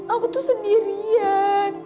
aku tuh sendirian